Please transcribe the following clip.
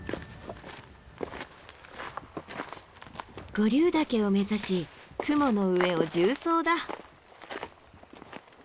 五竜岳を目指し雲の上を縦走だ。